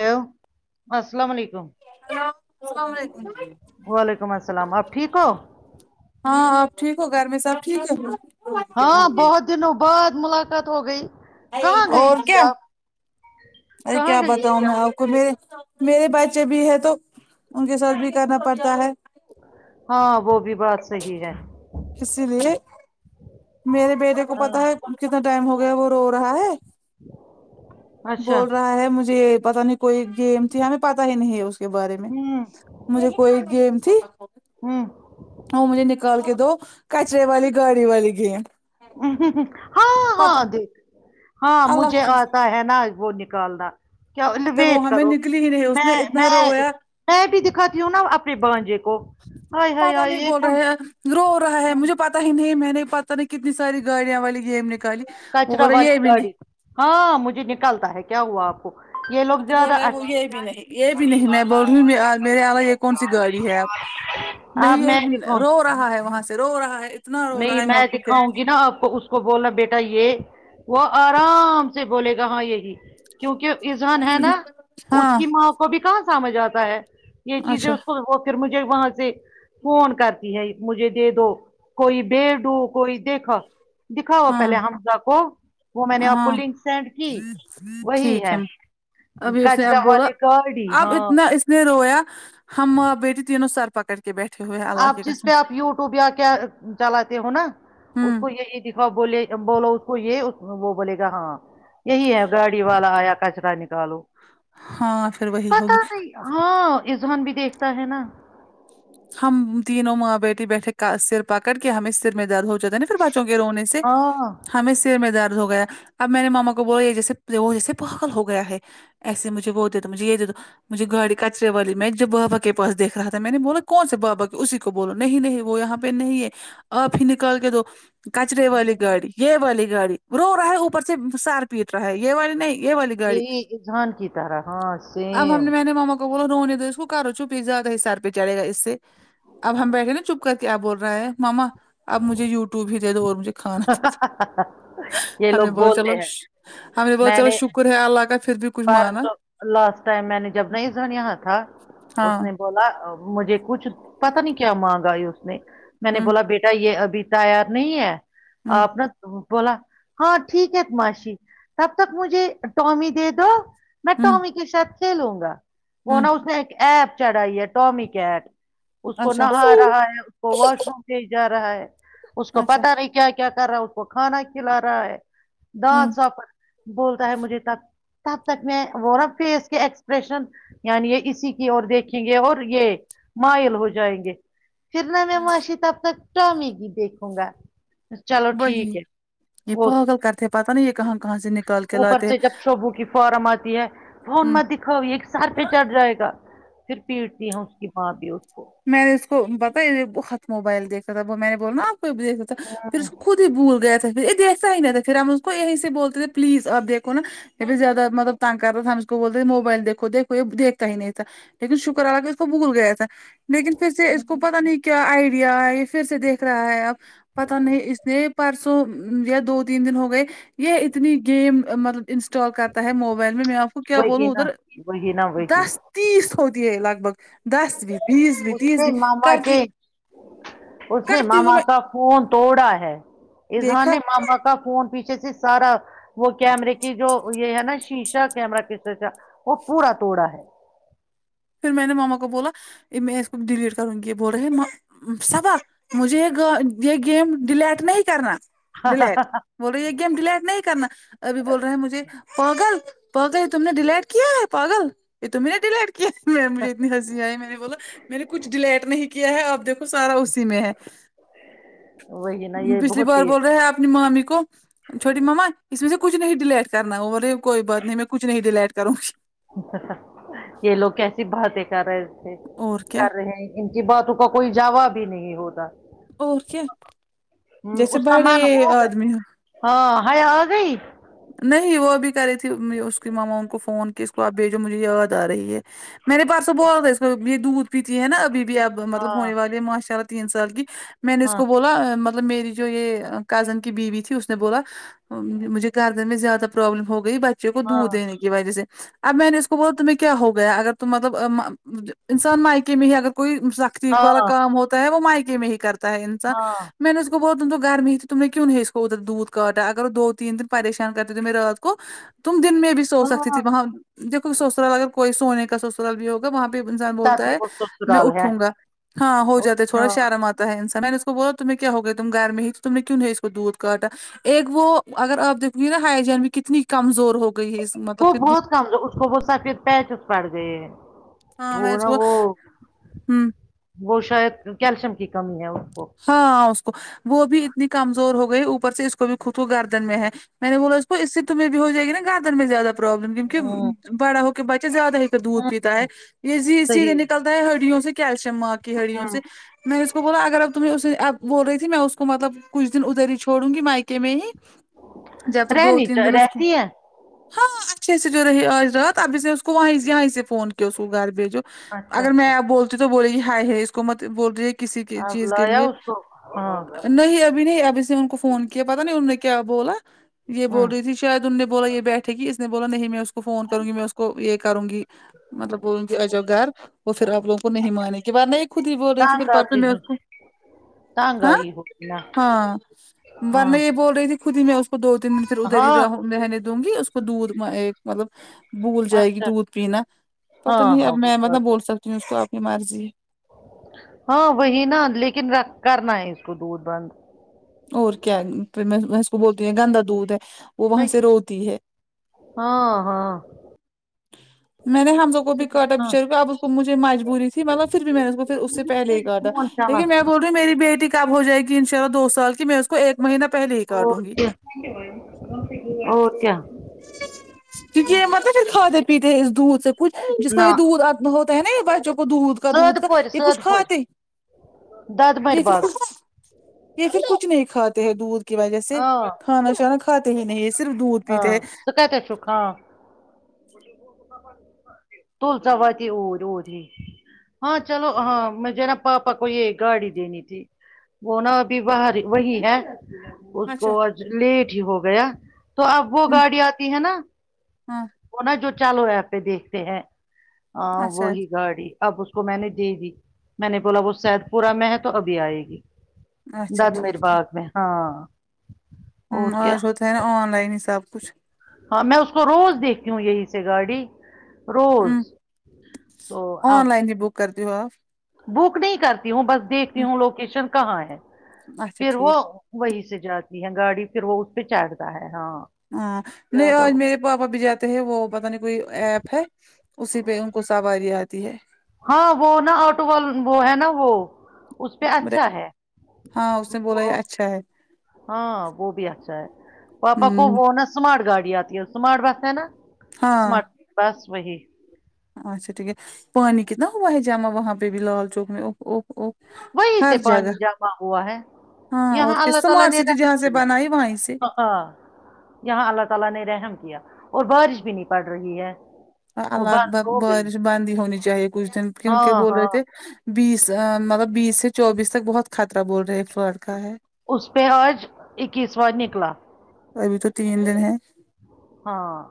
Hello السلام علیکم hello السلام علیکم وعلیکم السلام آپ ٹھیک ہو ہاں آپ ٹھیک ہو گھر میں سب ٹھیک ہے ہاں بہت دنوں بعد ملاقات ہوگئی کہاں گئی اور تھی کیا آپ ارے کہاں کیا گئی بتاؤں تھی میں آپ کو میرے میرے بچے بھی ہے تو ان کے ساتھ بھی کرنا پڑتا ہے ہاں وہ بھی بات صحیح ہے اسی لیے میرے بیٹے کو ہاں پتا ہے کتنا ٹائم ہو گیا وہ رو رہا ہے اچھا بول رہا ہے مجھے پتا نہیں کوئی گیم تھی ہمیں پتا ہی نہیں اس کے بارے میں ہوں مجھے کوئی گیم تھی ہوں وہ مجھے نکال کے دو کچرے والی گاڑی والی گیم ہاں ہاں پتا جی ہاں مجھے اللہ کی آتا ہے ناں وہ نکالنا کیا قسم وہ ویٹ ہمیں کرو نکلی ہی نہیں اس نے میں اتنا میں رویا میں بھی دکھاتی ہوں ناں اپنے بانجے کو ہائے ہائے پتا نہیں ہائے بول کون رہے سی ہیں رو رہا ہے مجھے پتا ہی نہیں میں نے پتا نہیں کتنی ساری گاڑیاں والی گیم نکالی وہ کچرا بول رہا والی یہ بھی گاڑی نہیں ہاں مجھے نکالتا ہے کیا ہوا آپ کو یہ لوگ آ تو بول زیادہ رہے ہیں وہ اچھا یہ بھی نہیں یہ بھی نہیں میں بول رہی میرے والا ایک کون سی گاڑی ہے آپ اب نہیں میں یہ دکھاؤں رو رہا ہے وہاں سے رو رہا ہے اتنا رو نہیں رہا ہے میں آپ کو کیا دکھاؤں گی ناں آپ کو اس اس کو بولنا بیٹا یہ وہ آرام سے بولے گا ہاں یہی کیونکہ ازہان ہے نا اس ہاں کی ماں ابھی کہاں سمجھ آتا ہے یہ چیزیں اچھا اس کو ہو پھر مجھے وہاں سے فون کرتی ہے مجھے دے دو کوئی بیڈو کوئی دیکھ دکھاؤ ہاں پہلے ہمزہ کو وہ میں نے آپ کو ہاں لنک سینڈ کی وہی ہے ابھی اس نے اب کچرا بولا والی گاڑی اب ہاں اتنا اس نے رویا ہم ماں بیٹی تینوں سر پکڑ کے بیٹھے ہوئے ہیں اللہ آپ کی جس قسم پہ آپ یوٹیوب یا کیا چلاتے ہو ناں اس ہوں کو یہی سکھاؤ بولے بولو اس کو یہ وہ بولے گا ہاں یہی ہے گاڑی والا آیا کچرا نکالو ہاں پھر وہی ہوگی پتا نہیں ہاں ازحان بھی دیکھتا ہے نا ہم تینوں ماں بیٹی بیٹھے سر پکڑ کے ہمیں سر میں درد ہو جاتے نا پھر بچوں کے رونے سے ہاں ہمیں سر میں درد ہو گیا اب مینے ماما کو بولا یہ جیسے وہ جیسے پاگل ہو گیا ہے ایسے مجھے وہ دے دو مجھے یہ د ے دو مجھے گاڑی کچرے والی میں جب بابا کے پاس دیکھ رہا تھا میں نے بولا کون سے بابا کی اسی کو بولو نہیں نہیں وہ یہاں پہ نہیں ہے آپ ہی نکال کے دو کچرے والی گاڑی یہ والی گاڑی رو رہا ہے اوپر سے سر پیٹ رہا ہے یہ والی نہیں یہ والی گاڑی یہی ازحان کی طرح ہاں سیم بولو رونے تو اس کو کرو چوپی زیادہ ہی سر پہ چڑے گا اس اب ہم بیٹھے نا چپ کر کے اب بول رہا ہے ماما اب مجھے یو ٹیوب ہی دے دو اور مجھے کھانا یہ ہم نے لوگ بولا بولتے چلو ش ہیں ہم نے بولا چلو شک شکر ہے اللہ کا پھر بھی کچھ مانا پرسو لاسٹ ٹائم میں نے جب نہیں سنیا تھا ہاں اس نے بولا مجھے کچھ پتا نہیں کیا مانگا آئی اس نے میں نے ہوں بولا بیٹا کیا یہ ابھی تیار نہیں ہے ہوں آپ نا بولا ہاں ٹھیک ہے ماشی تب تک مجھے ٹومی دے دو میں ہوں ٹمی کے شاتھ کھیلوں گا وہ ہوں نا اس نے ایک ایپ چڑھائی ہے ٹمیی کیٹ اس کو اچھا نہا رہا ہے اس کو واش روم بھی جا رہا ہے اس کو اچھا پتا نہیں کیا کیا کر رہا ہے اس کو کھانا کھلا رہا ہے ہوں دانت ساف بولتا ہے مجھے تک تب تک میں ورب فیس کے ایکسپریشن یعنی یہ اسی کی اور دیکھیں گے اور یہ مائل ہو جائیں گے پھر نہ میں ہوں، ماشی تب تک ٹامی کی دیکھوں گا چلو ٹھیک وہی ہے یہ وہ پاگل کرتے پتہ نی یہ کہاں کہاں سے نکال کے اوپر لاتے ہے سے جب شوبو کی فارم آتی ہے فون مدی ا ایک سر پہ چڑھ جائے گا پھر پیٹتی ہے اس کی ماں بھی اس کو میں نے اس کو پتا بھوت موبائل دیکھتا تھا میں نے بولا نا آپ کو بھی دھتا تھا ہاں پھر اس کو خود ہی بھول گیا تھا پھر یہ دیکھتا ہی نہیں تھا پھر ہم اس کو یہیں سے بولتے تھے پلیز آپ دیکھ د ن یہ بھی زیاده مطلب تنگ کر رہا تھا ہم اسکو بولتے موبائل دیکھو دھو یہ دھ کنہی نہیں تھا لیکن شکر آگی اس کو بھول گیا تھا لیکن پھر سے اس کو پتا نہیں کیا آئیڈیا اے پھر سے دیکھ رہا ہے اب پتہ نہیں اس نے پرسوں تو یا دو تین دن ہو گئے یہ اتنی گیم مطلب انسٹال کرتا ہے موبائل میں میں آپ کو کیا وہی بولوں نا ادھر وہی نا وہی دس تیس ہوتی ہے لگ بھگ دس بھی بیس بھی اس تیس سے بھی ماما کے کرتی اس نے کرتی ہوں ماما میں کا فون توڑا ہے اظہاں دیکھا نے ماما کا کا فون پیچھے سے سارا وہ کیمرے کی جو یہ ہے نا شیشہ کیمرہ کسیسہ وہ پورا توڑا ہے پھر میں نے ماما کو بولا یہ میں اس کو ڈلیٹ کروں گی یہ بول رہا ہے ما صبا مجھے یہ یہ گیم ڈیلیٹ نہیں کرنا ڈیلیٹ بولرہی ہے یہ گیم ڈیلیٹ نہیں کرنا ابھی بول رہے ہیں مجھے پاگل پاگل یہ تم نے ڈیلیٹ کیا ہے پاگل یہ تمہیں نے ڈیلیٹ کیا [unintelligible] میں مجھے اتنی ہنسی آئی میں نے بولا میں نے کچھ ڈلیٹ نہیں کیا ہے آپ دیکھو سارا اسی میں ہے وہی نا یہ پچھلی بہت بار ہی بول رہا ہے اپنی مامی کو چھوٹی ماما اس میں سے کچھ نہیں ڈلیٹ کرنا ا میں بولرہی ہوں کوئی بات نہیں میں کچھ نہیں ڈیلیٹ کروں گی یہ لوگ کیسی باتیں کر رہے تھے اور کیا کر رہے ہیں ان کی باتوں کا کوئی جاواب ہی نہیں ہوتا اور کیا ہم جیسے اس کا بڑے من ہو گیا آدمی ہو ہاں حیا اگئی نہیں وہ بھی کر رہی تھی اس کی ماما ان کو فون کی اس کو آپ بھیجو مجھے یاد آ رہی ہے میرے پرسوں بولا تھا اس کو یہ دودھ پیتی ہے نا ابھی بھی اب ہاں مطلب ہونے والے ماشاء اللہ تین سال کی میں نے اس ہاں کو بولا مطلب مطلب میری جو یہ کزن کی بیوی تھی اس نے بولا مجھے گردن میں زیادہ پروابلم ہو گئی بچوں کو ہاں دودھ دینے کی وجہ سے اب میں نے اس کو بولا تمہیں کیا ہو گیا اگر ت مطلب انسان مائکے میں ہی اگر کوئی سخ یک والا ہاں کام ہوتا ہے وہ مائکی میں ہی کرتا ہے انسان ہاں میں نےاس کو بولا تم تو گھر میں ہی تھی تومجھے کیوں نئی اسکو دودھ کاٹا اگر تن دو پریشان کرتی تے میں رات کو تم دن میں بھی سو سکتی ہاں تھی وہاں دیکھو سسرا لگا کوئی سونے کا س بھی ہوگا وہاں پہ انسان تب بولتا بھی ہے وہ میں سسرال ہے اٹھوں گا ہاں ہو جا تھوڑا ہاں شارا ا انسانا میں نے اس کو بولا تمہیں کیا ہو گیا تم گھر میں ہی تو تم نے کیوں ہے اس کو دودھ کاٹا ایک وہ اگر آپ دیکھو گے نا ہائیجین بھی کتنی کمزور ہو گئی ہے اس مطلب وہ کہ دو- بہت کم اس کو وہ سفید پہچس پڑ گئے ہاں وہ میں اس نا کو وہ ہوں وہ شاید کیلشیم کی کمی ہے اس کو ہاں اس کو وہ بھی اتنی کمزور ہو گئی اوپر سے اس کو بھی خود کو گردن میں ہے میں نے بولا اس کو اسے تو میں بھی ہو جائے گیا گاندر میں زیادہ پرابلم ہوں کیونکہ بڑا ہو کے بچے زیادہ ہی کر دودھ پیتا ہے ہوں یہ سیدھے صحیح نکلتا ہڑیوں سے کیلشیم ماں کی ہڑیوں ہے سے میں اس کو بولا اگر آ کو تو میں اس اب بول رہی تھی میں اس کو مطلب کچھ دن ادھر ہی چھوڑوں گی مائکے میں ہی جب تک دو رہنی تین چا- دن اس کے رہتی ہے ہاں اچھے سے جو رہی آج رات ابھی سے اس کو وہ یہیں سے فون کیا اس کو گھر بھیجو اچھا اگر میں اچھا بولتی ہوں تو بولے گی ہائے ہے اس کو مت بولتی کسی کی آپ چیز کے لایا لیے اس کو ہاں نہیں ابھی نہیں ابھی سے ان کو فون کیا پتا نہیں ان نے کیا بولا یہ بول ہوں رہی تھی شاید ان نے بولا یہ بیٹھے کہ اس نے بولا نہیں میں اس کو کو فون کروں گی میں اس کو یہ کروں گی مطلب بول رہ اجاؤ گھر وہ پھر آپ لوگوں کو نہیں ماننے کی بات نہیں خود ہی بول رہی تھی پھر تانگ پرس آتی میں ہوں اس کو تانگ ہاں آئی ہوگی نا ہاں ہاں ورنہ یہ بول رہی تھی خود ہی میں اس کو دو تین دن پھر ادھر ہی ہاں رہنے دوں گی اس کو دودھ مطلب بھول جائے گی اچھا دودھ پینا پتا ہاں نہیں ہاں اب وہ میں مت بات بول ہے سکتی ہوں اس کو آپ کی مرضی ہے ہاں وہی نا لیکن رکھ کرنا ہے اس کو دودھ بند اور کیا پھر میں اس کو بولتی ہوں یہ گندا دودھ ہے وہ وہاں سے روتی ہے ہاں ہاں میں نے ہمزہ کو بھی کاٹا ہاں بچارے کو اب اس کو مجھے مجبوری تھی مطلب پھر بھی میں نے اس کو پھر اس سے پہلے ہی کاٹا فون چلان لیکن میں بول رہی ہوں میری بیٹی کب ہو جائے گی ان شاء اللہ دو سال کی میں اس کو ایک مہینہ پہلے ہی اور کاٹوں گی کیا اور کیا چونکہ مطلب پھر کھا کے پیتتے اس دودھ سے کچھ جس کو یے نہ دودھ اتا بہت ہے نا یہ بچوں کو دودھ کا سد دودھ کا پورِ یہ کچھ سد پورِ کھاتے دۄدمٔرۍ یہ پھر باغ کچھ یہ پھر کچھ نہیں کھاتے ہیں دودھ کی وجہ سے آ کھانا شھانا کھاتے ہی نہیں صرف دودھ پیتے ہے سوکھا کے سوکا توول ساواتی اور اور رہ ہی ہاں چلو ہاں مجھے نا پاپا کو یہ گاڑی دینی تھی وہ نا ابھی بر وہی ہے اس کو اچھا آج لیٹ ہی ہو گیا تو اب وہ ہ گاڑی آتی ہے نا ہاں وہ نا جو چالو ہے یہپ پہ دیکھتے ہیں ہاں اچھا وہی گاڑی اب اس کو میں نے دے دی میں نے بولا وہ سید پورہ میں ہے تو ابھی آئے گی اچھا درد میر ٹھیک باغ میں ہاں ہوں اور کیا آج ہوتا ہے نا آن لائن ہی سب کچھ ہاں میں اس کو روز دیکھتی ہوں یہی سے گاڑی ہ روز تو اب آن لائن ہی بک کرتی ہو آف بک نہیں کرتی ہوں بس دیکھتی ہوں لوکیشن کہاں ہے اچھا پھر وہ ٹھیک وہی سے جاتی ہے گاڑی پھر وہ اس پہ چڑھتا ہے ہاں ہاں نہیں آج تو- میرے پاپا بھی جاتے ہیں وہ پتہ نہیں کوئی ایپ ہے اسی پہ ان کو سواری آتی ہے ہاں وہ نا آٹو وال وہ ہے نا وہ اس پہ اچھا ہے ہاں اس نے بولا یہ اچھا ہے ہاں وہ بھی اچھا ہے پاپا کو ہمم وہ نہ اسمارٹ گاڑی آتی ہے اسمارٹ بس ہے نا ہاں اسمارٹ بس وہی اچھا ٹھیک ہے پانی کتنا ہوا ہے جمع وہاں پہ بھی لال چوک میں اوف اوف اوف وہیں سے پانی جمع ہوا ہے ہاں اور یہاں کیا اللہ تعالی اسمارٹ نے سٹی رحم جہاں سے کیا بنائی وہیں سے ہاں ہاں یہاں اللہ تعالی نے رحم کیا اور بارش بھی نہیں پڑ رہی ہے وہ اللہ بند ت ہو گئی بارش بند ہی ہونی چاہیے کچھ دن کیونکہ ہاں بول ہاں رہے تھے بیس ا مطلب بیس سے چوبیس تک بہت خطرہ بول رہے فلڈ کا ہے اس پہ آج اکیسوار نکلا ابھی تو تین دن ہیں ہاں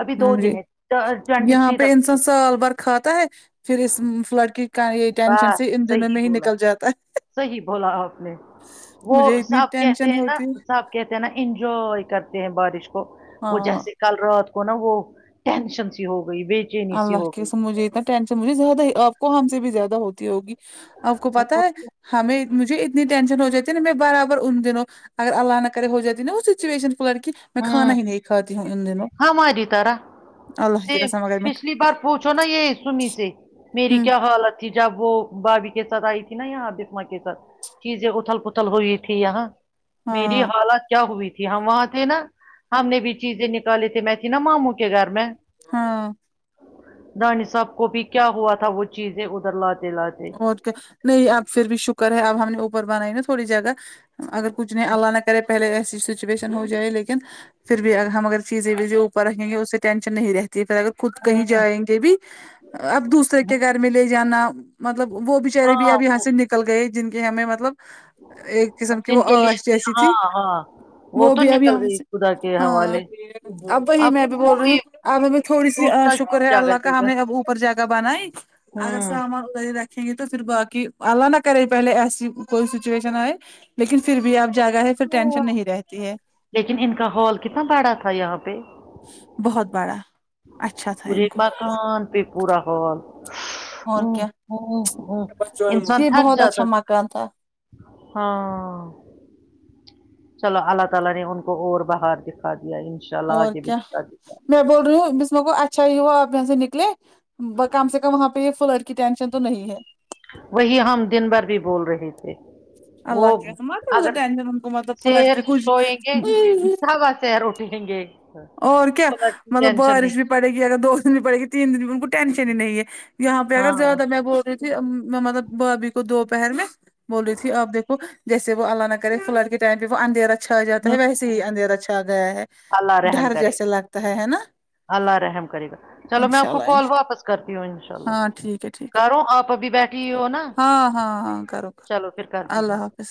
ابھی دو ہاں جی دن ہے ٹوینٹی یہاں تھری پہ تک انسان دور ہے. سال بھر کھاتا ہے پھر اس فلڈ کی کا یہی ٹینشن بس سے ان دنوں صحیح میں ہی بولا نکل جاتا ہے صحیح بولا آپ نے وہ مجھے اتنی سب کہتے ٹینشن ہیں نا ہوتی سب کہتے ہیں نا انجوائے کرتے ہیں بارش کو وہ ہاں جیسے کل رات کو نا وہ ٹینشن سی ہو گئی بے چینی سی اللہ ہو کے گئی س مجھے اتنا ٹینشن مجھے زیادہ ہی آپ کو ہم سے بھی زیادہ ہوتی ہوگی آپ کو پتہ وہ- ہے ہمیں مجھے اتنی ٹینشن ہو جاتی ہے نا میں برابر ان دنوں اگر اللہ نہ کرے ہو جاتی نا وہ سچویشن فلٹ کی میں کھانا ہی نہیں کھاتی ہوں ان دنوں ہا ماری طرح اللہ کی سیم قسم اگر میں پچھلی بار پوچھو نا یہ سمی سے میری ہمم کیا حالت تھی جب وہ بھابھی کے ساتھ آئی تھی نا یہاں بسماں کے ساتھ چیزیں اتھل پھتل ہوئی تھیں یہاں میری ہاں حالت کیا ہوئی تھی ہم وہاں تھے نا ہم نے بھی چیزیں نکالے تھے میں تھی نا مامو کے گھر میں ہاں دانی صاحب کو بھی کیا ہوا تھا وہ چیزیں ادھر لاتے لاتے اور کیا نہیں اب پھر بھی شکر ہے اب ہم نے اوپر بنائی نا تھوڑی جگہ اگر کچھ نہیں اللہ نہ کرے پہلے ایسی سچویشن ہو جائے لیکن پھر بھی اگر ہم اگر چیزیں ویزیں اوپر رکھیں گے اس سے ٹینشن نہیں رہتی پھر اگر خود کہیں ہوں جائیں گے بھی اب دوسرے کے ہوں گھر میں لے جانا مطلب وہ بچارے بھی ہاں اب یہاں وہ سے نکل گئے جن کے ہمیں مطلب ایک قسم کی وہ جن کے آش لیے جیسی ہاں تھی ہاں وہ تو بھی اب نکل یہاں گئی سے خدا کے ہاں حوالے اب وہی میں بھی بول رہی ہوں اب ہمیں تھوڑی سی دوسرا شکر کیوں ہے جگہ اللہ دے کا ہم گا نے اب اوپر جگہ بنائی اگر ہوں سامان رکھیں گے تو پھر باقی اللہ نہ کرے پہلے ایسی کوئی سچویشن آئے لیکن فر بھی اب جاگا ہے فر ہاں ٹینشن نہیں رہتی ہے لیکن ان کا ہال کتنا بڑا تھا یہاں پہ بہت بڑا اچھا تھا ان پرایک کو مکان پہ پورا ہال اور کیا انسان یہ تھک بہت جاتا اچھا مکان تھا ہاں چلو اللہ تعالی نے ان کو اور بہار دکھا دیا ان شاء اللہ اور آگے بھی کیا دکھا دے میں بول رہی ہوں بسمہ کو اچھا ہی ہوا آپ یہاں سے نکلے کم سے کم وہاں پہ یہ فلڈ کی ٹینشن تو نہیں ہے وہی ہم دن بھر بھی بول رہے تھے وہ اللہ کے م پ ادھر اگر ٹنشن کو مطلب تو لڑکی کچھ سب وسے روٹی ہیں گ اور کیا مطلب بارش بھی پڑے گی اگر دو دن بھی پڑے گی تین دن میں ان کو ٹینشن ہی نہیں ہے یہاں پہ اگر ہاں ہوں زیادہ میں بول ی تھی مطلب بھابھی کو دوپہر میں بولی تھی آپ دیکو جیسے وہ اللہ نہ کرے فلڈ کے ائم پہ وہ اندھیا چھا جاتا ہے ویسے ہی اندھیر چھا گیا ہے اللہ رحم ڈر کرے جیسا لگتا ہے ہے نا اللہ رحم کرے گا چلو میں انشاء آپ کو اللہ کال انشاء، واپس کرتی ہوں ان شاء اللہ ہاں ٹھیک ہے ٹھیک ہے کر ہوں آپ ابھی بیٹھے فری ہو نہ ہاں ہاں ہاں کرو کرو کرتی ہوں اللہ حافظ